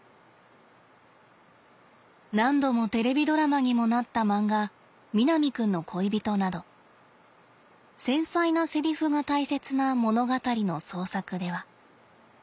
何度もテレビドラマにもなった漫画「南くんの恋人」など繊細なセリフが大切な物語の創作では。